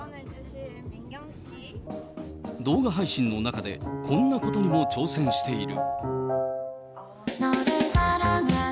動画配信の中でこんなことにも挑戦している。